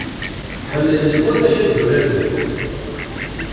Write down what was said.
Ḥemmlen warrac ad uraren.